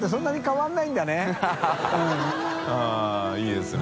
あっいいですね。